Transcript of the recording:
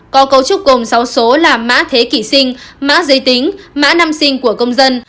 có cấu trúc gồm sáu số là mã thế kỷ sinh mã giới tính mã năm sinh của công dân